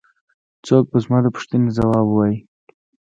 څوک به زما د پوښتنې ځواب ووايي.